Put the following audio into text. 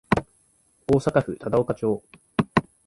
大阪府忠岡町